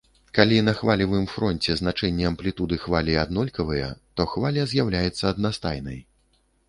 Калі на хвалевым фронце значэнні амплітуды хвалі аднолькавыя, то хваля з'яўляецца аднастайнай.